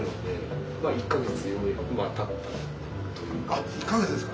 あっ１か月ですか。